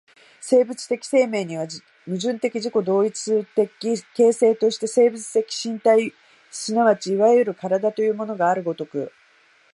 生物的生命には、矛盾的自己同一的形成として生物的身体即ちいわゆる身体というものがある如く、